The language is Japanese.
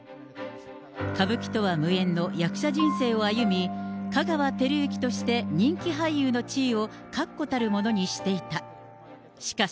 歌舞伎とは無縁の役者人生を歩み、香川照之として人気俳優の地位を確固たるものにしていた。